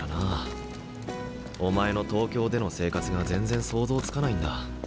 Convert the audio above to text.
お前の東京での生活が全然想像つかないんだ。